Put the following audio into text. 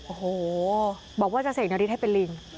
โอ้โหบอกว่าจะเสกนาริสให้เป็นลิง